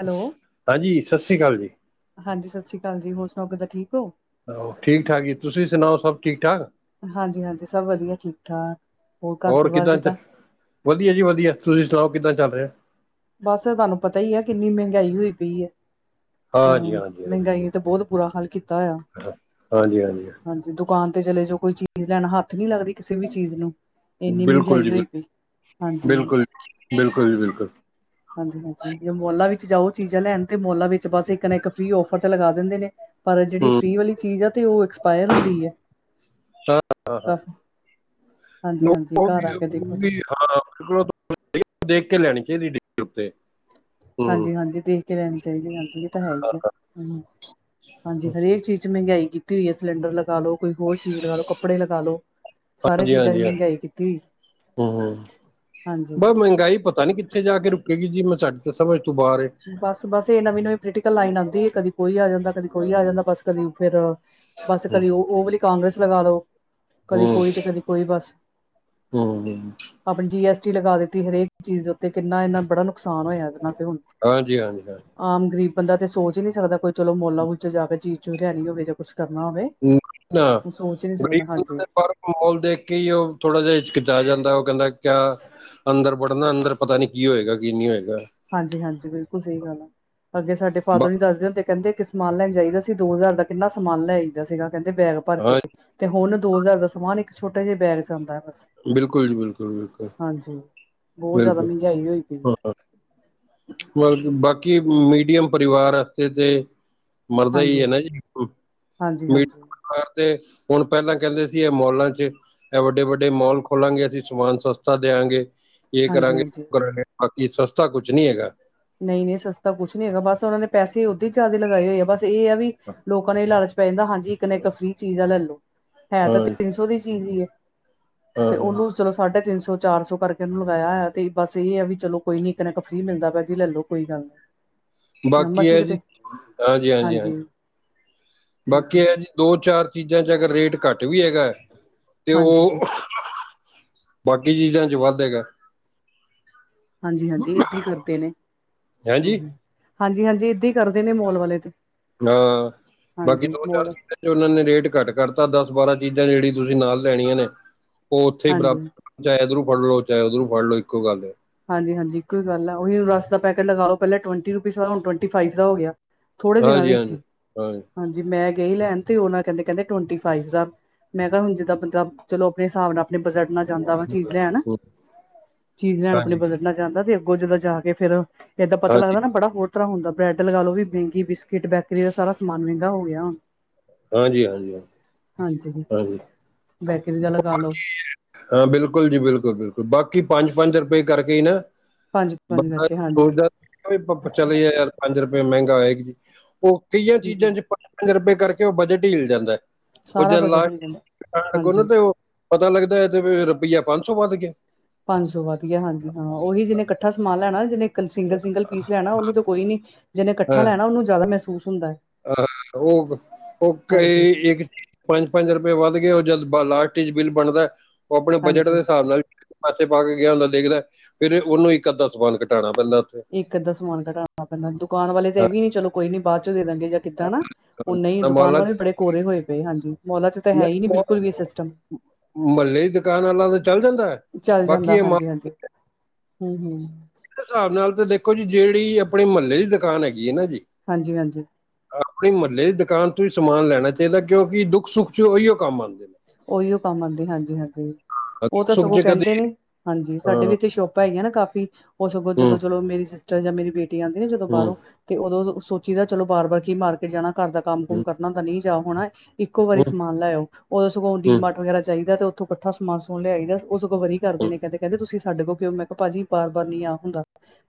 Hello ਹਾਂਜੀ, ਸਸ ਰੀ ਕਾਲ ਜੀ। ਹਾਂਜੀ ਸਸ ਰੀ ਕਾਲ ਜੀ ਹੋਰ ਸਨਾਓ ਕਿੱਦਾਂ ਠੀਕ ਓਂ। ਆਹੋ ਠੀਕ-ਠਾਕ ਜੀ ਤੁਸੀਂ ਸਨਾਓ ਸਬ ਠੀਕ-ਠਾਕ। ਹਾਂਜੀ-ਹਾਂਜੀ ਸਬ ਵਦੀਆ ਠੀਕ-ਠਾਕ ਹੋਰ ਘਰ ਪਰਵਾਰ ਕਿੱਦਾਂ ਵਧੀਆ ਜੀ ਵਧੀਆ, ਤੁਸੀਂ ਸੁਣਾਓ ਕਿੱਦਾਂ ਚੱਲ ਰਿਹਾ? ਬਸ ਤੁਹਾਨੂੰ ਪਤਾ ਹੀ ਆ, ਕਿੰਨੀ ਮਹਿੰਗਾਈ ਹੋਈ ਪਈ ਹੈ, ਹਾਂ ਹਾਂਜੀ ਮਹਿੰਗਾਈ ਤੇ ਬਹੁਤ ਬੁਰਾ ਹਾਲ ਕੀਤਾ ਹੋਇਆ। ਹਾਂਜੀ-ਹਾਂਜੀ। ਹਾਂਜੀ, ਦੁਕਾਨ ਤੇ ਚਲੇ ਜੋ, ਕੋਈ ਚੀਜ਼ ਲੈਣ ਹੱਥ ਨੀ ਲੱਗਦੀ। ਕਿਸੇ ਵੀ ਚੀਜ਼ ਨੂੰ, ਇੰਨੀ ਬਿਲਕੁਲ ਮਹਿੰਗਾਈ ਜੀ ਬਿਲਕੁਲ ਹੋਈ ਪਈ, ਹਾਂਜੀ। ਬਿਲਕੁਲ ਜੀ, ਬਿਲਕੁਲ। ਹਾਂਜੀ-ਹਾਂਜੀ, ਜੇ ਮੋਲਾਂ ਵਿੱਚ ਜਾਓ, ਚੀਜ਼ਾਂ ਲੈਣ ਤੇ, ਮੋਲਾਂ ਵਿੱਚ ਬਸ, ਇੱਕ ਨਾ ਇੱਕ ਫਰੀ ਓਫਰ, ਤਾਂ ਲਗਾ ਦਿੰਦੇ ਨੇ। ਪਰ ਜਿਹੜੀ ਹੂੰ ਫਰੀ ਵਾਲੀ ਚੀਜ਼ ਆ, ਅਤੇ ਉਹ ਐਕਸਪਾਇਰ ਹੁੰਦੀ ਹੈ ਤਾਂ ਕਾਫੀ। ਹਾਂਜੀ-ਹਾਂਜੀ, ਉਹ ਘਰ ਵੀ ਆ ਕੇ ਉਹ ਦੇਖੋ ਤਂ। ਵੀ ਹਾਂ, ਬਿਲ ਦੇਖ ਕੇ ਲੈਣੀ ਚਾਹੀਦੀ [inaudible] ਉੱਤੇ। ਹੂੰ ਹਾਂਜੀ-ਹਾਂਜੀ, ਦੇਖ ਕੇ ਲੈਣੀ ਚਾਹੀਦੀ, ਹਾਂਜੀ। ਤਾਂ ਹੈ ਹੀ ਆ, ਹ ਹਾਂਜੀ ਹਰੇਕ ਚੀਜ਼ ਚ ਮਹਿੰਗਾਈ ਕੀਤੀ ਹੋਈ ਹੈ, ਸਿਲੰਡਰ ਲਗਾ ਲਓ। ਕੋਈ ਹੋਰ ਚੀਜ਼ ਲਗਾ ਲ ਲੋ, ਕੱਪੜੇ ਲਗਾ ਲੋ, ਸਾਰੇ ਹਾਂਜੀ ਚੀਜ਼ਾਂ ਨੇ ਮਹਿੰਗਾਈ ਕੀਤੀ। ਹਾਂਜੀ ਬ ਮਹਿੰਗਾਈ ਪਤਾ ਨੀ, ਕਿੱਥੇ ਜਾ ਕੇ ਰੁਕੇਗੀ ਜੀ, ਮੈਂ ਸਾਡੇ ਤਾਂ ਸਮਝ ਤੋਂ ਬਾਹਰ। ਬਸ-ਬਸ, ਇਹ ਨਵੀਂ-ਨਵੀਂ ਪੋਲੀਟੀਕਲ ਲਾਈਨ ਆਉਂਦੀ ਹੈ, ਕਦੀ ਕੋਈ ਆ ਜਾਂਦਾ, ਕਦੀ ਕੋਈ ਆ ਜਾਂਦਾ, ਬਸ ਕਦੀ ਫੇਰ। ਬਸ ਹੂੰ ਕਦੀ ਉਹ-ਉਹ ਵੀ ਲਈ ਕਾਂਗਰਸ ਲਗਾ ਲੋ। ਕਦੀ ਹੂੰ ਕੋਈ ਤੇ ਕਦੀ ਕੋਈ ਬਸ। ਹੂੰ ਆਪਣੇ ਜੀ ਐਸ ਟੀ ਲਗਾ ਦਿੱਤੀ, ਹਰੇਕ ਚੀਜ਼ ਉੱਤੇ, ਕਿੰਨਾ ਇਨਾ ਬੜਾ ਨੁਕਸਾਨ ਹੋਇਆ, ਇਹਨਾਂ ਤੇ ਹੁਣ। ਹਾਂਜੀ-ਹਾਂਜੀ, ਹਾਂਜੀ। ਆਮ ਗਰੀਬ ਬੰਦਾ ਤੇ ਸੋਚ ਹੀ ਨਹੀਂ ਸਕਦਾ, ਕੋਈ ਚਲੋ ਮੋਲਾ ਬੁਜਾ ਜਾਵੇ, ਚੀਜ ਲੈਣੀ ਹੋਵੇ ਜਾਂ ਕੁੱਛ ਕਰਨਾ ਹੋਵੇ। ਨਹੀਂ ਨਾ ਉਹ ਸੋਚ ਹੀ ਨੀ ਸਕਦਾ ਹਾਂਜੀ ਗ। ਮੋਲ ਦੇਖ ਕੇ ਹੀ, ਉਹ ਥੋੜਾ ਜਿਹਾ ਹਚਕਿਚਾਇ ਜਾਂਦਾ, ਉਹ ਕਹਿੰਦਾ ਕਿਆ। ਅੰਦਰ ਬੜਨਾ, ਅੰਦਰ ਪਤਾ ਨਹੀਂ, ਕੀ ਹੋਏਗਾ, ਕੀ ਨਹੀਂ ਹੋਏਗਾ। ਹਾਂਜੀ-ਹਾਂਜੀ, ਬਿਲਕੁਲ ਸਹੀ ਗੱਲ ਆ, ਅੱਗੇ ਸਾਡੇ ਬ ਫਾਦਰ ਨ ਦੱਸਦੇ ਹੋਂਦੇ ਕਹਿੰਦੇ ਇੱਕ ਸਮਾਨ ਲੈਣ ਜਾਈਦਾ ਸੀ, ਦੋ ਹਜ਼ਾਰ ਦਾ ਕਿੰਨਾ ਸਮਾਨ ਲੈ ਆਈਦਾ ਸੀਗਾ, ਕਹਿੰਦੇ ਬੈਗ ਭਰ ਕੇ। ਹਾਂ ਤੇ ਹੁਣ ਦੋ ਹਜ਼ਾਰ ਦਾ ਸਮਾਨ, ਇੱਕ ਛੋਟੇ ਜਿਹਾ ਬੈਗ ਚ ਆਉਂਦਾ ਹੈ ਬਸ। ਬਿਲਕੁਲ ਜੀ। ਬਿਲਕੁਲ -ਬਿਲਕੁਲ। ਹਾਂਜੀ, ਬਹੁਤ ਜਿਆਦਾ ਮਹਿੰਗਾਈ ਹੋਈ ਪਈ ਹੈ। ਮਲ ਬਾਕੀ, ਮੀਡੀਅਮ ਪਰਿਵਾਰ ਵਸਤੇ ਤੇ। ਮਰਦਾ ਹਾਂਜੀ, ਹੀ ਹੈ ਨਾ ਜੀ। ਹਾਂਜੀ-ਹਾਂਜੀ। ਤੇ ਹੁਣ ਪਹਿਲਾਂ ਕਹਿੰਦੇ ਸੀ, ਇਹ ਮੋਲਾਂ ਚ ਇਹ ਵੱਡੇ ਵੱਡੇ ਮੋਲ ਖੋਲਾਂਗੇ, ਅਸੀਂ ਸਮਾਨ ਸਸਤਾ ਦਿਆਂਗੇ। ਇਹ ਕਰਾਂਗੇ, ਹਾਂਜੀ-ਹਾਂਜੀ, ਉਹ ਕਰਾਂਗੇ, ਬਾਕੀ ਸਸਤਾ ਕੁਛ ਨੀ ਹੈਗਾ। ਨਹੀਂ-ਨਹੀਂ, ਸਸਤਾ ਕੁਛ ਨੀ ਹੈਗਾ, ਬਸ ਉਹਨਾਂ ਨੇ ਪੈਸੇ ਓਦੇ ਹੀ, ਜ਼ਿਆਦਾ ਲਗਾਏ ਹੋਏ ਆ ਬਸ। ਤੇ ਇਹ ਵੀ ਹਾਂ ਲੋਕਾਂ ਨੂੰ ਲਾਲਚ ਪੈ ਜਾਂਦਾ, ਹਾਂਜੀ ਇੱਕ ਨਾ ਇੱਕ ਫ੍ਰਰੀ ਚੀਜ਼ ਆ ਲੈ ਲੋ ਹੈ ਤਾਂ ਤਿੰਨ ਸ ਦੀ ਚੀਜ਼ ਹੀ ਹੈ, ਹਾਂ ਤੇ ਹਾਂ ਉਹਨੂੰ। ਚਲੋ ਸਾਢੇ ਤਿੰਨ ਸੌ ਚਾਰ ਸੌ, ਕਰਕੇ ਉਹਨੂੰ ਲਗਾਇਆ ਹੋਇਆ, ਤੇ ਬਸ ਇਹ ਆ ਵੀ ਚਲੋ, ਕੋਈ ਨੀ ਇੱਕਨਾ ਕੁ ਫਰੀ ਮਿਲਦਾ ਪੈ। ਲੈਲੋ ਕੋਈ ਗੱਲ ਨ ਬਾਕੀ ਆਮਸੀ ਹੈ ਕਿਤੇ, ਜੀ ਹਾਂਜੀ। ਬਾਕੀ ਇਹ ਜੀ, ਦੋ ਚਾਰ ਚੀਜ਼ਾਂ ਚ ਅਗਰ ਰੇਟ ਘੱਟ ਵੀ ਹੈਗਾ, ਤੇ ਹਾਂਜੀ ਉਹ ਬਾਕੀ ਚੀਜ਼ਾਂ ਚ ਵੱਧ ਹੈਗਾ। ਹਾਂਜੀ-ਹਾਂਜੀ ਏਦਾਂ ਹੀ ਕਰਦੇ ਨੇ। ਹੈਂਜੀ ਹਾਂਜੀ-ਹਾਂਜੀ ਏਦਾਂ ਹੀ ਕਰਦੇ ਨੇ, ਮੋਲ ਵਾਲੇ ਤੇ। ਹਾਂ, ਬਾਕੀ ਹਾਂਜੀ ਦੋ ਚਾਰ ਮੋਲ ਸੀ। ਉਹਨਾਂ ਨੇ ਰੇਟ ਘੱਟ ਕਰਤਾ, ਦਸ ਬਾਰਾਂ ਚੀਜ਼ਾਂ ਜਿਹੜੀ ਤੁਸੀਂ, ਨਾਲ ਲੈਣੀਆਂ ਨੇ। ਉਹ ਉੱਥੇ ਹੀ ਹਾਂਜੀ ਬਰਾਬਰ, ਚਾਹੇ ਉਧਰੋਂ ਫੜ ਲੋ ਚਾਹੇ ਉਧਰੋਂ ਫੜ, ਲੋ ਇੱਕੋ ਗੱਲ ਹੈ। ਹਾਂਜੀ, ਹਾਂਜੀ ਇੱਕੋ ਈ ਗੱਲ ਆ ਉਹੀ ਰਸ ਦਾ ਪੈਕਟ ਲਗਾ ਲੋ ਪੈਲੇ ਟਵਨਟੀ ਰੁਪੀਜ਼ ਦਾ ਹੁਣ ਟਵਨਟੀ ਫਾਈਵ ਦਾ ਹੋ ਗਿਆ ਗਿਆ। ਥੋੜੇ ਦਿਨਾਂ ਹਾਂਜੀ ਵਿੱਚ ਈ ਹਾਂਜੀ ਹਾਂਜੀ ਮੈਂ ਗਈ ਲੈਣ ਤੇ ਓ ਨਾ ਕੈਂਦੇ ਕੈਂਦੇ ਟਵਨਟੀ ਫਾਈਵ ਦਾ। ਮੈਂ ਕਿਆ ਹੁਣ ਜਿੱਦਾਂ ਬੰਦਾ ਚਲੋ ਆਪਣੇ ਹਿਸਾਬ ਨਾਲ ਆਪਣੇ ਬਜਟ ਨਾਲ ਜਾਂਦਾ ਵਾ। ਚੀਜ਼ ਲੈਣ, ਚੀਜ਼ ਲੈਣ ਆਪਨੇ ਬਜਟ ਨਾਲ ਜਾਂਦਾ ਜੇ ਅੱਗੋਂ ਜਦੋ ਜਾ ਕੇ ਫੇਰ। ਏਦਾਂ ਪਤਾ ਹਾਂਜੀ ਲਗਦਾ ਨਾ ਬੜਾ ਹੋਰ ਤਰ੍ਹਾਂ ਹੁੰਦਾ ਬਰੈਡ ਲਗਾ ਲੋ ਵੀ ਬਿੰਗੀ ਬਿਸ ਕਿਟ ਬੈਕਰੀ ਦਾ ਸਾਰਾ ਸਮਾਨ ਮਹਿੰਗਾ ਹੋ ਗਿਆ ਹੁਣ। ਹਾਂਜੀ, ਹਾਂਜੀ ਹਾਂ। ਹਾਂਜੀ। ਹਾਂਜੀ। ਬੈਕਰੀ ਦਾ ਲਗਾ ਲੋ। ਹਾਂ ਬਿਲਕੁਲ ਜੀ, ਬਿਲਕੁਲ ਬਿਲਕੁਲ ਬਾਕੀ ਪੰਜ ਪੰਜ ਰੁਪਏ ਕਰਕੇ ਈ ਨਾ। ਪੰਜ ਪੰਜ ਬੰਦਾ ਕਰਕੇ ਹਾਂਜੀ ਹਾਂਜੀ ਸੋਚਦਾ [unintelligible] ਚਲੇ ਗਿਆ ਯਾਰ। ਪੰਜ ਰਪਏ ਮੈਂਗਾ ਹੋਏਗਾ ਜੀ ਓ ਕਈਆਂ ਚੀਜ਼ਾਂ ਹੂੰ, ਚ ਪੰਜ ਪੰਜ ਰੁਪਏ ਕਰਕੇ ਓ ਬਜਟ ਈ ਹਿਲ ਜਾਂਦਾ ਐ। ਓ ਸਾਰਾ ਜਦ ਲਾ ਬਜਟ ਵੀ ਜਾਂਦਾ ਅੱਗੋ ਨਾ ਹਾਂਜੀ ਤੇ ਓ ਪਤਾ ਲੱਗਦਾ ਐ ਤੇ ਰੁਪਈਆ ਪੰਜ ਸੌ ਵੱਧ ਗਿਆ। ਪੰਜ ਸੌ ਵਧ ਗਿਆ ਹਾਂਜੀ ਹਾਂ ਉਹੀ ਜਿਨੇ ਕੱਠਾ ਸਮਾਨ ਲੈਣਾ ਨਾ ਜਿਨੇ। ਸਿੰਗਲ ਸਿੰਗਲ ਪੀਸ ਲੈਣਾ ਉਨੂੰ ਤਾ ਕੋਈ ਨੀ ਜਿਨੇ ਕੱਠਾ ਲੈਣਾ ਉਨੂੰ ਜ਼ਿਆਦਾ ਮਹਿਸੂਸ ਹੁੰਦਾ ਐ। ਹ ਓਗ ਓ ਕਈ। ਇੱਕ ਪੰਜ, ਪੰਜ ਰੁਪਏ ਵੱਧ ਗਏ ਓ ਜਦ ਲਾਸਟ ਚ ਬਿੱਲ ਬਣਦੈ। ਓ ਆਪਣੇ ਬਜਟ ਹਾਂਜੀ ਦੇ ਸਾਬ ਨਾਲ। ਪਾਸੇ ਪਾ ਕੇ ਗਿਆ ਹੁੰਦਾ ਦੇਖਦਾ ਫੇਰ ਉਨੂੰ ਇੱਕ ਅੱਧਾ ਸਮਾਨ ਘਟਾਉਣਾ ਪੈਂਦਾ ਉੱਥੇ। ਇੱਕ ਅੱਧਾ ਸਮਾਨ ਘਟਾਣਾ ਪੈਂਦਾ ਦੁਕਾਨ ਵਾਲੇ ਤੇ ਇ ਵੀ ਨੀ ਚਲੋ ਕੋਈ ਨੀ। ਬਾਅਦ ਚੋਂ ਦੇ ਲਾਂਗੇ ਜਾਂ ਕਿਦਾਂ ਨਾ ਓ ਨਈ ਹਾਂ, ਦੁਕਾਨ ਮਾਲਾਂ ਚ ਵਾਲੇ ਵੀ ਬੜੇ ਕੋਰੇ ਹੋਏ ਪਏ ਹਾਂਜੀ। ਮੋਲਾ ਚ ਤਾਂ ਹੈ ਈ ਨਈ ਨਹੀਂ, ਬਿਲਕੁਲ ਵੀ ਉਹ ਸਿਸਟਮ। ਮਹੱਲੇ ਦੀ ਦੁਕਾਨ ਆਲਾ ਤੇ ਚੱਲ ਜਾਂਦਾ ਐ। ਚੱਲ ਜਾਂਦਾ, ਹਾਂਜੀ ਹਾਂਜੀ ਹੁੰ ਹੁੰ। ਹਿਸਾਬ ਨਾਲ ਤੇ ਦੇਖੋ ਜੀ ਜਿੜੀ ਆਪਣੇ ਮਹੱਲੇ ਦੀ ਦੁਕਾਨ ਹੈਗੀ ਐ ਨਾ ਜੀ। ਹਾਂਜੀ। ਹਾਂਜੀ। ਆਪਣੇ ਮਹੱਲੇ ਦੀ ਦੁਕਾਨ ਤੋਂ ਈ ਸਮਾਨ ਲੈਣਾ ਚਾਈਦਾ ਕਿਉਂਕਿ ਦੁੱਖ ਸੁੱਖ ਚ ਉਈਓ ਕੰਮ ਆਂਦੇ ਨੇ। ਓਹੀਓ ਕੰਮ ਆਂਦੇ ਹਾਂਜੀ ਹਾਂਜੀ ਓ ਦੁੱਖ ਤਾਂ ਸੁੱਖ ਸਗੋਂ ਚ ਕਦੀ ਕੈਂਦੇ ਨੇ ਹਾਂਜੀ ਸਾਡੇ ਵੀ ਹਾਂ, ਇੱਥੇ ਸ਼ੋਪ ਭਾਈ ਆ ਨਾ ਕਾਫ਼ੀ ਓ ਸਗੋਂ ਹੂੰ ਜਦੋਂ ਹੂੰ ਚਲੋ ਮੇਰੀ ਸਿਸਟਰ ਜਾਂ ਮੇਰੀ ਬੇਟੀ ਆਂਦੀ ਨਾ ਜਦੋਂ ਹੂੰ ਬਾਅਰੋਂ। ਤੇ ਉਦੋਂ ਸੋਚੀ ਦਾ ਚਲੋ ਬਾਰ ਬਾਰ ਕੀ ਮਾਰਕੀਟ ਜਾਣਾ ਘਰ ਦਾ ਕੰਮ ਕੁਮ ਹੂੰ ਕਰਨਾ ਤਾਂ ਨੀ ਜਾਣ ਹੋਣਾ ਇੱਕੋ ਵਾਰੀ ਹੂੰ ਹੂੰ, ਸਮਾਨ ਲੈ ਆਓ ਉਦੋਂ ਸਗੋਂ ਡੀ ਹੂੰ, ਮਾਰਟ ਵਗੈਰਾ ਜਾਈਦਾ ਤੇ ਉੱਥੋਂ ਕੱਠਾ ਸਮਾਨ ਸਮੂਣ ਲਿਆਈਦਾ ਓ ਸਗੋਂ ਵਰੀ ਕਰਦੇਨੇ ਕੈਂਦੇ ਕੈਂਦੇ ਤੁਸੀਂ ਸਾਡੇ ਕੋ ਕਿਉ ਨੀ ਮੈਂ ਕੇਆ ਭਾਜੀ ਬਾਰ ਬਾਰ ਨੀ ਆ ਹੁੰਦਾ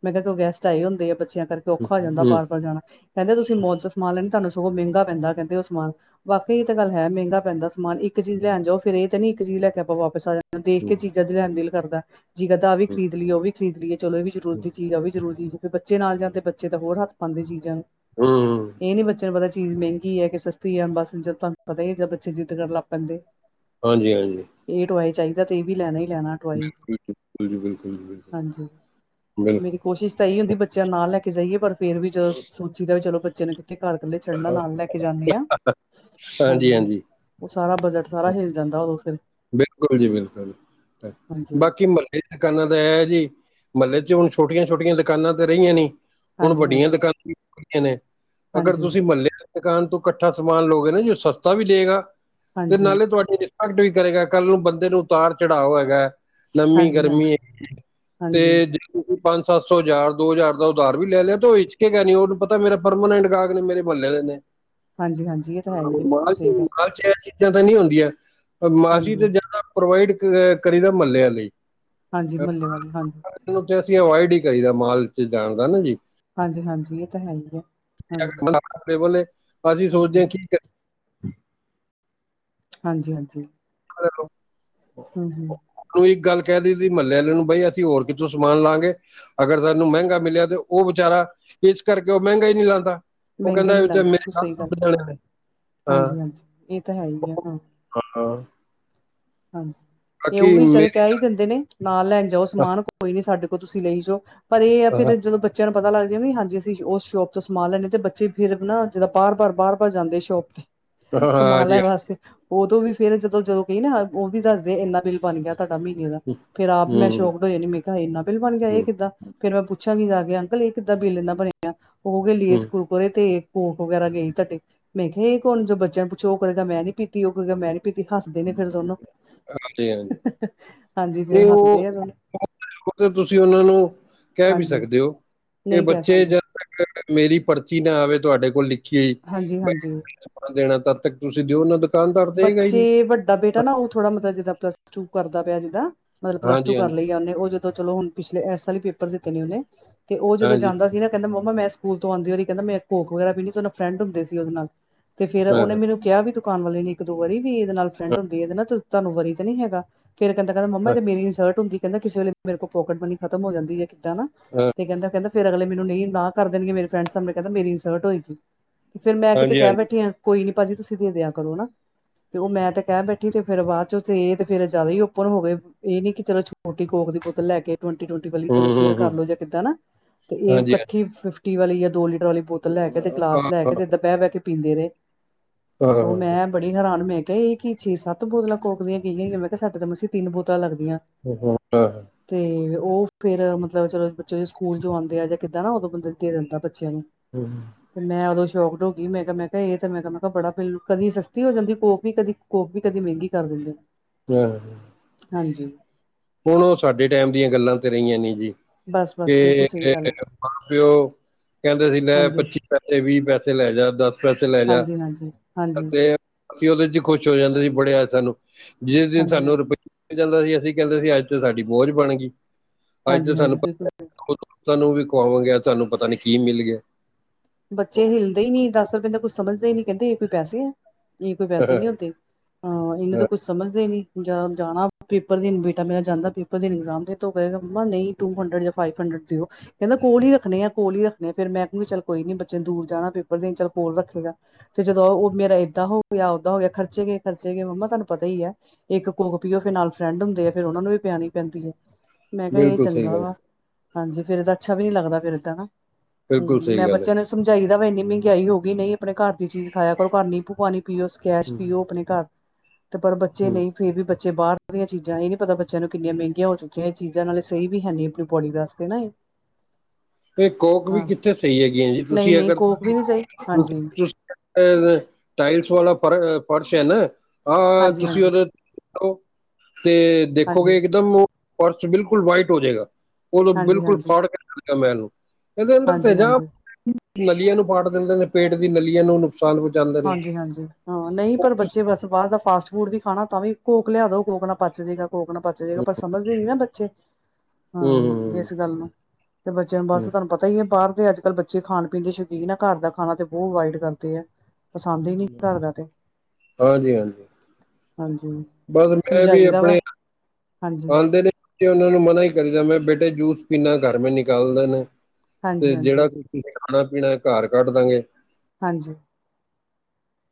ਮੈਂ ਕਿਆ ਕੇ ਗੈਸਟ ਆਏ ਹੁੰਦੇ ਆ ਬੱਚਿਆਂ ਕਰਕੇ ਔਖਾ ਹੂੰ, ਹੋ ਜਾਂਦਾ ਹੂੰ, ਬਾਰ ਬਾਰ ਜਾਣਾ। ਕੈਂਦੇ ਤੁਸੀਂ ਮੌਲ ਚੋ ਸਮਾਨ ਲੈਂਦੇ ਤਾਨੂੰ ਸਗੋਂ ਮੈਂਗਾ ਪੈਂਦਾ ਕੈਂਦੇ ਓ ਸਮਾਨ। ਵਾਕੇ ਏ ਤਾਂ ਗੱਲ ਹੈ ਮੈਂਗਾ ਪੈਂਦਾ ਸਮਾਨ ਇੱਕ ਇੱਕ ਚੀਜ਼ ਲੈਣ ਜਾਓ ਫੇਰ ਏ ਤਾ ਨੀ ਇੱਕ ਚੀਜ਼ ਲੈ ਕੇ ਆਪਾਂ ਵਾਪਿਸ ਆ ਜਾਣਾ ਦੇਖ ਕੇ ਚੀਜ਼ਾਂ ਲੈਣ ਦਿਲ ਕਰਦਾ। ਜੀ ਕਦਾ ਆ ਵੀ ਖਰੀਦ ਲੀਏ ਓ ਵੀ ਖਰੀਦ ਲੀਏ ਚਲੋ ਐ ਵੀ ਜ਼ਰੂਰਤ ਦੀ ਹੂੰ, ਚੀਜ਼ ਆ ਵੀ ਜ਼ਰੂਰੀ ਚੀ ਬੱਚੇ ਨਾਲ ਜਾਣ ਤੇ ਬੱਚੇ ਤਾ ਹੋਰ ਹੱਥ ਪਾਂਦੇ ਚੀਜ਼ਾਂ ਨੂੰ ਹੂੰ, ਏ ਨੀ ਬੱਚਿਆਂ ਨੂੰ ਪਤਾ ਚੀਜ਼ ਮੈਂਗੀ ਐ ਕਿ ਸਸ ਓਈ ਆ ਬਸ ਜਦ ਤਾਨੂੰ ਪਤਾ ਈ ਏ ਜ ਬੱਚੇ ਜਿੱਦ ਕਰਨ ਲੱਗ ਪੈਂਦੇ। ਹਾਂਜੀ ਹਾਂਜੀ ਇਹ ਟਵਾਏ ਚਾਈਦਾ ਤੇ ਏ ਵੀ ਲੈਣਾ ਈ ਲੈਣਾ। ਟੋਆਏ ਬਿਲਕ ਜੀ ਬਿਲਕੁਲ ਜੀ ਬਿਲਕੁਲ ਜੀ ਬਿਲਕੁਲ ਹਾਂਜੀ। ਮੇਰੀ ਬਿਲਕੁਲ ਕੋਸ਼ਿਸ਼ ਤਾਂ ਏ ਈ ਹੁੰਦੀ ਬੱਚਿਆਂ ਨੂੰ ਨਾ ਲੈ ਕੇ ਜਾਈਏ ਪਰ ਫੇਰ ਵੀ ਜਦੋਂ ਜਿਦਾ ਵੀ ਚਲੋ ਬੱਚੇ ਨੂੰ ਕਿੱਥੇ ਘਰ ਕੱਲੇ ਛੱਡਨਾ ਨਾਲ ਲੈ ਕੇ ਜਾਂਨੀ ਆਂ ਹਾਂ ਹਾਂਜੀ ਜੀ। ਹਾਂਜੀ ਸਾਰਾ ਬਜਟ ਸਾਰਾ ਹਿਲ ਜਾਂਦਾ ਉਦੋਂ ਫਿਰ ਬਿਲਕੁਲ ਜੀ ਬਿਲਕੁਲ ਹਾਂਜੀ। ਬਾਕੀ ਮ ਇਹ ਦੁਕਾਨਾਂ ਤਾਂ ਇਹ ਜੀ ਮਹੱਲੇ ਚ ਹੁਣ ਛੋਟੀਆਂ ਛੋਟੀਆਂ ਦੁਕਾਨਾਂ ਤੇ ਰਹੀਆਂ ਨੀ ਹੁਣ ਹਾਂਜੀ ਵੱਡੀਆਂ ਹਾਂਜੀ ਦੁਕਾਨਾਂ ਵੀ ਹੈਗੀਆਂ ਨੇ ਅਗਰ ਹਾਂਜੀ ਤੁਸੀਂ ਮਹੱਲੇ ਦੁਕਾਨ ਤੋਂ ਇਕੱਠਾ ਸਮਾਨ ਲੋ ਨਾ ਜੀ ਸਸਤਾ ਵੀ ਦੇਏਗਾ ਤੇ ਹਾਂਜੀ ਨਾਲੇ ਤੁਹਾਡੀ ਰਿਸਪੈਕਟ ਵੀ ਕਰੇਗਾ ਕੱਲ ਨੂੰ ਬੰਦੇ ਨੂੰ ਉਤਾਰ ਚੜਾਓ ਹੈਗਾ ਨਮੀ ਹਾਂਜੀ ਗਰਮੀ ਹਾਂਜੀ ਹੈਗੀ ਤੇ ਹਾਂਜੀ ਪੰਜ ਸੱਤ ਸੌ ਹਜ਼ਾਰ ਦੋ ਹਜ਼ਾਰ ਦਾ ਉਧਾਰ ਵੀ ਲੈ ਲਿਆ ਤੇ ਉਹ ਹਿਚਕੇ ਗਾ ਨੀ ਉਹਨੂੰ ਪਤਾ ਮੇਰਾ ਪਰਮਾਨੈਂਟ ਗਾਹਕ ਨੇ ਮੇਰੇ ਮਹੱਲੇ ਦੇ ਨੇ ਹਾਂਜੀ ਹਾਂਜੀ ਇਹ ਤਾਂ ਹੈ ਹੀ ਹੈ ਮਾਲ ਬਿਲਕੁਲ ਸਹੀ ਗੱਲ ਮਾਲ ਚ ਇਹ ਚੀਜ਼ਾਂ ਤਾਂ ਨਹੀਂ ਹੁੰਦੀਆਂ ਮਾਲ ਚ ਵੀ ਤਾਂ ਹਾਂਜੀ ਜ਼ਿਆਦਾ ਪ੍ਰੋਵਾਈਡ ਕਰੀਦਾ ਮਹੱਲਿਆਂ ਲਈ ਹਾਂਜੀ ਮਹੱਲੇ ਵਾਲੀ ਹਾਂਜੀ ਤੇ ਅਸੀਂ ਅਵੋਇਡ ਹੀ ਕਰੀ ਦਾ ਮਾਲ ਚ ਜਾਣ ਦਾ ਨਾ ਜੀ ਹਾਂਜੀ ਹਾਂਜੀ ਇਹ ਤਾਂ ਹੈ ਹੀ ਹੈ ਹਾਂਜੀ ਬੋਲੇ ਅਸੀਂ ਹਾਂਜੀ ਸੋਚਦੇ ਕਿ ਹਾਂਜੀ ਹਾਂਜੀ ਹੈਲੋ ਹੂੰ ਹੂੰ ਉਹਨੂੰ ਇੱਕ ਗੱਲ ਕਹਿ ਦਈ ਦੀ ਮਹੱਲੇ ਆਲੇ ਨੂੰ ਬਈ ਅਸੀਂ ਹੋਰ ਕਿੱਥੋਂ ਸਮਾਨ ਲਾਂਗੇ ਅਗਰ ਸਾਨੂੰ ਮਹਿੰਗਾ ਮਿਲਿਆ ਤੇ ਉਹ ਵਿਚਾਰਾ ਇਸ ਕਰਕੇ ਉਹ ਮਹਿੰਗਾ ਈ ਨੀ ਲਾਦਾ ਉਹ ਮਹਿੰਗਾ ਹੀ ਕਹਿੰਦਾ ਨਹੀਂ ਲਾਉਂਦਾ ਮੇਰੇ ਬਿਲਕੁਲ ਗਾਹਕ ਸਹੀ ਗੱਲ ਟੁਟ ਜਾਣੇ ਆ, ਹਾਂਜੀ ਹਾਂਜੀ ਇਹ ਤਾਂ ਹੈ ਹੀ ਆ ਹਾਂ ਹਾਂ ਤੇ ਉਹ ਬਾਕੀ ਵੀ ਵਿਚਾਰੇ ਮੇਰੀ ਕਹਿ ਈ ਦਿੰਦੇ ਨੇ ਨਾਲ ਲੈਣ ਜਾਓ ਸਮਾਨ ਕੋਈ ਨੀ ਸਾਡੇ ਕੋਲ ਤੁਸੀਂ ਲਈ ਜਾਓ ਪਰ ਇਹ ਆ ਹਾਂ ਫਿਰ ਜਦੋਂ ਬੱ ਚਿਆਂ ਨੂੰ ਪਤਾ ਲੱਗਦਾ ਵੀ ਹਾਂਜੀ ਅਸੀਂ ਉਸ ਸ਼ੋਪ ਤੋਂ ਸਮਾਨ ਲੈਂਦੇ ਤੇ ਬੱਚੇ ਫਿਰ ਨਾ ਜਿੱਦਾਂ ਬਾਰ ਬਾਰ ਬਾਰ ਬਾਰ ਜਾਂਦੇ ਸ਼ੋਪ ਤੇ ਸਮਾਨ ਹਾਂਜੀ ਲੈਣ ਵਾਸਤੇ ਉਦੋਂ ਵੀ ਫੇਰ ਜਦੋਂ ਜਦੋਂ ਕਹੀ ਨਾ ਉਹ ਵੀ ਦੱਸਦੇ ਇੰਨਾ ਬਿੱਲ ਬਣ ਗਿਆ ਸਾਡਾ ਮੀਨੇ ਦਾ ਹਾਂਜੀ ਫਿਰ ਮੈਂ ਆਪ ਹੂੰ ਸ਼ੌਕਡ ਹੋ ਜਾਨੀ ਮੈਂ ਕਿਹਾ ਹਾਏ ਇੰਨਾ ਬਿਲ ਬਣ ਗਿਆ ਇਹ ਹੂੰ ਕਿੱਦਾਂ ਫੇਰ ਮੈਂ ਪੁੱਛਾਂਗੀ ਜਾ ਕੇ ਅੰਕਲ ਇਹ ਕਿੱਦਾਂ ਬਿੱਲ ਇਨਾਂ ਬਣਿਆ ਉਹ ਕਹਿਣਗੇ ਹੂੰ ਲੇਜ ਕੁ ਰਕਰੇ ਤੇ ਕੋਕ ਵਗੈਰਾ ਗਈ ਤਾਡੇ ਮੈਂ ਕਿਹਾ ਇਹ ਕੋਣ ਜਦੋਂ ਬੱਚਿਆਂ ਨੂੰ ਪੁੱਛੋ ਉਹ ਕਹੇਗਾ ਮੈਂ ਨੀ ਪੀਤੀ ਉਹ ਕਹੇਗਾ ਮੈਂ ਨੀ ਉਚੀ ਹੱਸਦੇ ਨੇ ਫੇਰ ਦੋਨੋ ਅੱਛਾ ਹਾਂਜੀ ਫੇਰ ਨਹੀਂ ਹੱਸਦੇ ਆ ਦੋਨੋ ਉਹ ਤੁਸੀਂ ਉਹਨਾਂ ਨੂੰ ਕਹਿ ਵੀ ਹਾਂਜੀ ਸਕਦੇ ਓ ਨਹੀਂ ਕਹਿ ਸਕਦੇ ਮੇਰੀ ਪਰਚੀ ਨਾ ਆਵੇ ਤੁਹਾਡੇ ਕੋਲ ਲਿਖੀ ਹੋਈ ਹਾਂਜੀ ਹਾਂਜੀ ਦੇਣਾ ਤਦ ਤਕ ਤੁਸੀਂ ਦਿਓ ਨਾ ਦੁਕਾਨਦਾਰ ਦੇਏਗਾ ਈ ਨੀ ਸਾਡਾ ਬੇਟਾ ਨਾ ਉਹ ਥੋੜਾ ਮਤਲਬ ਜਿੱਦ ਪਲਸ ਟੂ ਕਰਦਾ ਪਿਆ ਜਿੱਦ ਮਲ ਪਲੱਸ ਟੂ ਹਾਂਜੀ ਕਰ ਹਾਂਜੀ ਲਈ ਉਹਨੇ ਉਹ ਜਦ ਚਲੋ ਹੁਣ ਪਿਛਲੇ ਇਸ ਸਾਲ ਈ ਪੇਪਰ ਦਿੱਤੇ ਨੇ ਉਹਨੇ ਤੇ ਉਹ ਜਦੋਂ ਹਾਂਜੀ ਜਾਂਦਾ ਸੀ ਨਾ ਕਹਿੰਦਾ ਮੰਮਾ ਮੈਂ ਸਕੂਲ ਤੋਂ ਆਂਦੇ ਵਾਰੀ ਕਹਿੰਦਾ ਮੈਂ ਕੋਕ ਵਗੈਰਾ ਪੀਲੀ ਸੀ ਉਹ ਫਰੈਂਡ ਹੁੰਦੇ ਸੀ ਉਹਦੇ ਨਾਲ ਤੇ ਫ਼ਿਰ ਹਾਂ ਉਹਨੇ ਹਾਂ ਮੈਨੂੰ ਕਿਹਾ ਵੀ ਦੁਕਾਨ ਵਾਲੇ ਨੇ ਇੱਕ ਦੋ ਵਾਰੀ ਵੀ ਇਹਦੇ ਨਾਲ ਫਰੈਂਡ ਹੁੰਦੀ ਏ ਇਹਦੇ ਨਾ ਤੇ ਤੁਹਾਨੂੰ ਵਰੀ ਤਾਂ ਨੀ ਹੈਗਾ ਫੇਰ ਕਹਿੰਦਾ ਕਹਿੰਦਾ ਮੰਮਾ ਇਹ ਹਾਂ ਤਾਂ ਮੇਰੀ ਇਨਸਲਟ ਹੁੰਦੀ ਕਹਿੰਦੀ ਕਿਸੇ ਵੇਲੇ ਮੇਰੇ ਕੋਲ ਪੋਕਟ ਮਨੀ ਖਤਮ ਹੋ ਜਾਂਦੀ ਏ ਤੇ ਕਹਿੰਦਾ ਕਹਿੰਦਾ ਫੇਰ ਅਗਲੇ ਮੈਨੂੰ ਨਹੀਂ ਨਾ ਕਰ ਦੇਣਗੇ ਮੇਰੇ ਫਰੇਡ ਸਾਹਮਣੇ ਕਹਿੰਦੀ ਮੇਰੀ ਇਨਸਟ ਹੋਏਗੀ ਫਿਰ ਮੈਂ ਕਿਤੇ ਹਾਂਜੀ ਕਹਿ ਹਾਂਜੀ ਬੈਠੀ ਆ ਕੋਈ ਭਾਜੀ ਤੁਸੀਂ ਦੇ ਦਿਆਂ ਕਰੋ ਨਾ ਤੇ ਉਹ ਮੈਂ ਤੇ ਕਹਿ ਬੈਠੀ ਤੇ ਫੇਰ ਬਾਅਦ ਚ ਉਥੇ ਇਹ ਤੇ ਫੇਰ ਜ਼ਿਆਦਾ ਹੀ ਓਪਨ ਹੋ ਗਏ ਇਹ ਨੀ ਕਿ ਚਲੋ ਛੋਟੀ ਕੋਕ ਦੀ ਬੋਤਲ ਲੈ ਕੇ ਟਵਟੀ ਟਵਟੀ ਵਾਲੀ ਹੂੰ ਚਲੋ ਹੂੰ ਸ਼ੇਅਰ ਹੂੰ ਕਰ ਲੋ ਜੀ ਕਿੱਦਾਂ ਨਾ ਤੇ ਇਹ ਹਾਂਜੀ ਹਾਂ ਕੱਠੀ ਫਿਫਟੀ ਵਾਲੀ ਜਾਂ ਦੋ ਲੀਟਰ ਵਾਲੀ ਬੋਤਲ ਲੈ ਕੇ ਤੇ ਗਲਾਸ ਹਾਂ ਲੈ ਕੇ ਤੇ ਦੁਪਹਿਰੇ ਬਹਿ ਕੇ ਪੀਂਦੇ ਰਹੇ ਤੇ ਮੈਂ ਬੜੀ ਹੈਰਾਨ ਮੈਂ ਕਿਹਾ ਇਹ ਕੀ ਚੀਜ਼ ਸੱਤ ਬੋਤਲਾਂ ਕੋਕ ਦੀਆਂ ਪੀ ਗਿਆਂ ਮੈਂ ਕਿਹਾ ਸਾਡੇ ਤਾਂ ਮਸੇ ਤਿੰਨ ਬੋਤਲਾਂ ਲੱਗਦੀਆਂ। [unintelligible] ਤੇ ਉਹ ਫੇਰ ਮਤਲਬ ਚਲੋ ਬੇ ਸਕੂਲ ਜੋ ਆਉਂਦੇ ਆ ਜਾਂ ਕਿੱਦਾਂ ਨਾ ਉਦੋਂ ਬੰਦਾ ਦੇ ਦਿੰਦਾ ਬੱਚਿਆਂ ਨੂੰ [inaudible] ਤੇ ਮੈਂ ਉਦੋਂ [unintelligible] ਹੋ ਗਈ ਮੈਂ ਕਿਹਾ ਮੈਂ ਕਿਹਾ ਇਹ ਤੇ ਮੈਂ ਕਿਹਾ ਮੈਂ ਕਿਹਾ ਬੜਾ ਕਦੀ ਸਸਤ ਫ੍ਰੀ ਹੋ ਜਾਂਦੀ ਕੋਜ ਵੀ ਕਦੀ ਕੋਕ ਵੀ ਕਦੀ ਮਹਿੰਗੀ ਕਰ ਦਿੰਦੇ। [unintelligible] ਹਾਂਜੀ। ਹੁਣ ਉਹ ਸਾਡੇ ਟੈਮ ਦੀਆਂ ਗੱਲਾਂ ਤੇ ਰਹੀਆਂ ਨੀ ਜੀ। ਬਸ-ਬਸ ਬਿਲਕੁਲ ਤੇ ਸਹੀ ਗੱਲ ਆ [unintelligible] ਮਾਂ ਪਿਓ ਕਹਿੰਦੇ ਸੀ ਲੈ ਹਾਂਜੀ, ਪੱਚੀ ਪੈਸੇ ਵੀਹ ਪੈਸੇ ਲੈ ਜਾ ਦਸ ਪੈਸੇ ਲੈ ਜਾ ਹਾਂਜੀ-ਹਾਂਜੀ, ਹਾਂਜੀ, ਅੱਦੇ ਅਸੀਂ ਉਹਦੇ ਚ ਈ ਖੁਸ਼ ਹੋ ਜਾਂਦੇ ਸੀ ਬੜੇ ਆ ਸਾਨੂੰ ਜਿਸ ਦਿਨ ਸਾਨੂੰ ਹਾਂਜੀ-ਹਾਂਜੀ। ਰੁਪਈਆ ਮਿਲ ਜਾਂਦਾ ਸੀ ਅਸੀਂ ਕਹਿੰਦੇ ਸੀ ਅੱਜ ਤੇ ਸਾਡੀ ਬੋਝ ਬਣ ਗਈ ਅੱਜ ਤੇ ਹਾਂਜੀ-ਹਾਂਜੀ ਸਾਨੂੰ [unintelligible] ਬਿਲਕੁਲ ਤੁਵਾਨੂੰ ਵੀ ਖੁਵਾਵਾਂਗੇ ਆਜ ਸਾਨੂੰ ਪਤਾ ਨੀ ਕੀ ਮਿਲ ਗਿਆ। ਬੱਚੇ ਹਿੱਲਦੇ ਈ ਨੀ ਦਸ ਰੁਪਏ ਤਾਂ ਕੁਛ ਸਮਝਦੇ ਈ ਨੀ ਕਹਿੰਦੇ ਇਹ ਕੋਈ ਪੈਸੇ ਹੈ ਇਹ ਕੋਈ ਪੈਸੇ ਨਹੀਂ ਹੁੰਦੇ। ਹਾਂ ਇਹਨੂੰ ਤਾਂ ਕੁੱਛ ਸਮਝਦੇ ਇ ਨੀ ਜਾਂ ਜਾਣਾ ਪੇਪਰ ਦੇਣ ਬੇਟਾ ਮੇਰਾ ਜਾਂਦਾ ਸੀ। ਫ਼ਸ਼ਟ ਡੇ ਇਗਜ਼ਾਮ ਤੇ ਓਹ ਕਹੇਗਾ ਮੰਮਾ ਨਹੀਂ ਟੂ ਹੰਡਰਡ ਜਾਂ ਫਾਈਵ ਹੰਡਰਡ ਦਿਓ ਕਹਿੰਦਾ ਕੋਲ ਈ ਰੱਖਣੇ ਆ ਕੋਲ ਈ ਰੱਖਣੇ ਆ ਫੇਰ ਮੈਂ ਕਹਯਾ ਚੱਲ ਕੋਈ ਨੀ ਬੱਚੇ ਦੂਰ ਜਾਣਾ ਪੇਪਰ ਦੇਨ ਚਲ ਕੋਲ ਰੱਖੇਗਾ ਫ਼ੇਰ ਜਦੋਂ ਉਹ ਮੇਰਾ ਏਦਾਂ ਹੋ ਗਿਆ ਓਦਾਂ ਹੋ ਗਿਆ ਖਰਚੇ ਗਏ ਖਰਚੇ ਗਏ ਮੰਮਾ ਤੁਵਾਨੂੰ ਪਤਾ ਈ ਹੈ ਇੱਕ ਕੋਕ ਪੀਓ ਫਿਰ ਨਾਲ ਫਰੈਂਡ ਹੁੰਦੇ ਆ ਫੇਰ ਉਹਨਾ ਨੂੰ ਵੀ ਪਿਆਣੀ ਪੈਂਦੀ ਹੈ। ਮੈਂ ਕਿਹਾ ਇਹ ਬਿਲਕੁਲ ਸਹੀ ਚੰਗਾ ਗੱਲ ਵਾ ਹਾਂਜੀ ਫੇਰ ਤਾਂ ਅੱਛਾ ਵੀ ਨਹੀਂ ਲੱਗਦਾ ਫੇਰ ਏਦਾਂ ਨਾ ਬਿਲਕੁਲ ਸਹੀ ਮੈ ਬ ਗੱਲ ਹੈ ਸਮਝਾਈ ਦਾ ਵਾ ਇੰਨੀ ਮਹਿੰਗਾਈ ਹੋ ਗਈ ਨਹੀਂ ਆਪਣੇ ਘਰ ਦੀ ਚੀਜ਼ ਖਾਯਾ ਕਰੋ ਪਾਵੇਂ ਨੀਬੂ ਪਾਣੀ ਪੀਓ [unintelligible] ਹੂੰ ਪੀਓ ਆਪਣੇ ਘਰ। ਤੇ ਪਰ ਬੱਚੇ ਹੂੰ ਨਹੀਂ ਫੇਰ ਵੀ ਬੱਚੇ ਬਾਹਰ ਦੀਆਂ ਚੀਜ਼ਾਂ ਇਹ ਨੀ ਪਤਾ ਬੱਚਿਆਂ ਨੂੰ ਕਿੰਨੀਆਂ ਮਹਿੰਗੀਆਂ ਹੋ ਚੁੱਕੀਆਂ ਇਹ ਚੀਜ਼ਾਂ ਨਾਲੇ ਸਹੀ ਵੀ ਹੈਨੀ ਆਪਣੀ ਬੋਡੀ ਵਾਸਤੇ ਨਾ ਐਹ। ਤੇ ਕੋਕ ਵੀ ਕਿੱਥੇ ਸਹੀ ਹੈਗੀਆਂ ਜੀ ਨਹੀਂ ਤੁਸੀਂ ਨਹੀਂ ਅਗਰ ਕੋਕ ਵੀ ਨੀ ਸਹੀ [unintelligible] ਹਾਂਜੀ ਅਗਰ ਟਾਇਲਸ ਵਾਲਾ ਫ਼ਰਸ਼ ਹੈ ਨਾ ਆਹ ਹਾਂਜੀ ਤੁਸੀਂ ਹਾਂਜੀ ਉਹਦੇ ਤੇ ਹਾਂਜੀ ਦੇਖੋਗੇ ਇੱਕਦਮ ਫ਼ਰਸ਼ ਬਿਲਕੁਲ ਵਾਈਟ ਹੋ ਜਾਏਗਾ। ਔਰ ਓਹ ਹਾਂਜੀ ਹਾਂਜੀ ਬਿਲਕੁਲ ਹਾਂਜੀ ਫ਼ਾੜ ਕੇ ਰਖੇਗਾ ਮੈਲ ਨੂੰ ਇਹਦੇ ਅੰਦਰ ਹਾਂਜੀ ਤੇਜਾਬ ਨਲੀਆਂ ਨੂੰ ਪਾੜ ਦਿੰਦਾ ਨੇ ਪੇਟ ਦੀ ਨਲੀਆਂ ਨੂੰ ਨੂੰ। ਨੁਕਸਾਨ ਪਹੁੰਚਾ ਦਿੰਦਾ। ਹਾਂਜੀ-ਹਾਂਜੀ ਹਾਂ ਨਹੀਂ ਪਰ ਬੱਚੇ ਬਸ ਬਾਹਰ ਦਾ ਫਾਸਟ ਫੂਡ ਵੀ ਹੈਨਾ ਤਾਂ ਵੀ ਕੋਕ ਲਿਆ ਦਓ ਕੋਕ ਨਾਲ ਪਚ ਜੇਗਾ ਕੋਕ ਨਾਲ ਪਚ ਜੇ ਆਪਾਂ ਸਮਝਦੇ ਨਹੀਂ ਨਾ ਬੱਚੇ, ਹੂੰ ਹਾਂ, ਇਸ ਗੱਲ ਨੂੰ ਤੇ ਬੱਚਿਆਂ ਨੂੰ ਬਸ ਹੂੰ ਤੁਵਾਨੂੰ ਪਤਾ ਇ ਹੈ ਬਾਹਰ ਦੇ ਅੱਜ ਕੱਲ ਬੱਚੇ ਖਾਣ ਦੇ ਸ਼ੌਕੀਨ ਆ ਘਰ ਦਾ ਖਾਣਾ ਤੇ ਬਹੁ ਅਵਾਇਡ ਕਰਦੇ ਹੈ। ਪਸੰਦ ਈ ਨਹੀਂ ਘਰ ਦਾ ਤੇ, ਹਾਂਜੀ ਹਾਂਜੀ ਹਾਂਜੀ। ਬਸ ਮੈਂ ਵੀ ਸਮਝਾਈ ਦਾ ਵਾ ਆਪਣੇ ਹਾਂਜੀ ਆਂਦੇ ਨੇ ਤੇ ਉਹਨਾਂ ਨੂੰ ਮਨਾ ਹੀ ਕਰੀਦਾ ਮੈਂ ਬੇਟੇ ਜੂਸ ਪੀਨਾ ਘਰ [unintelligible] ਹਾਂਜੀ ਤੇ ਹਾਂਜੀ ਜੇੜਾ ਖਾਣਾ ਪੀਣਾ ਘਰ ਕਾਢ ਦਾਂਗੇ। ਹਾਂਜੀ।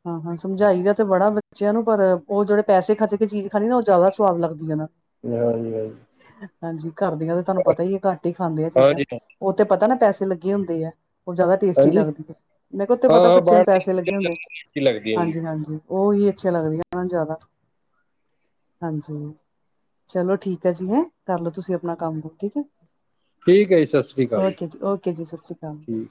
ਹਾਂ ਹਾਂ ਸਮਝਾਈ ਦਾ ਤੇ ਬੜਾ ਬੱਚਿਆਂ ਨੂੰ ਪਰ ਉਹ ਜੇੜੇ ਪੈਸੇ ਖਰਚ ਕੇ ਚੀਜ਼ ਖਾਦੀ ਨਾ ਉਹ ਜਾਦਾ ਸਵਾਦ ਲੱਗਦੀ ਏਹਨਾਂ ਹਾਂਜੀ ਹਾਂਜੀ ਨੂੰ। ਹਾਂਜੀ ਘਰ ਦੀਆਂ ਤੇ ਤੁਵਾਨੂੰ ਪਤਾ ਈ ਏ ਘੱਟ ਈ ਖਾਂਦੇ ਆ ਚੀਜ਼ਾਂ। ਹਾਂਜੀ ਉਹ ਤੇ ਪਤਾ ਨਾ ਪੈਸੇ ਲੱਗੇ ਹੁੰਦੇ ਆ ਉਹ ਜ਼ਿਆਦਾ ਟੇਸਟੀ ਹਾਂਜੀ ਲੱਗਦੀ ਹੈ। ਮੈਂ ਕਿਹਾ ਉੱਥੇ ਹਾਂ ਪਤਾ ਹਾਂ ਬੱਚਿਆਂ ਨੂੰ ਬਾਹਰ ਪੈਸੇ ਲੱਗੇ ਹੁੰਦੇ ਦੀ ਲੱਗਦੀ ਹੈ ਜੀ ਹਾਂਜੀ ਹਾਂ। ਹਾਂਜੀ ਉਹੀ ਅੱਛੀਆਂ ਲੱਗਦੀਆਂ ਨਾ ਜ਼ਿਆਦਾ ਹਾਂਜੀ। ਚਲੋ ਠੀਕ ਹੈ ਜੀ ਹੈਂ ਕਰਲੋ ਤੁਸੀਂ ਆਪਣਾ ਕੰਮ ਠੀਕ ਹੈ। ਠੀਕ ਹੈ ਜੀ ਸਤਿ ਸ੍ਰੀ ਅਕਾਲ ਓਕੇ ਜੀ ਓਕੇ ਜੀ ਸਤਿ ਸ੍ਰੀ ਅਕਾਲ, ਠੀਕ